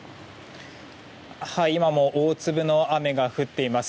今も大粒の雨が降っています。